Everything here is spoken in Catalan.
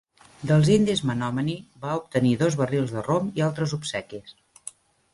Dels indis menominee va obtenir dos barrils de rom i altres obsequis.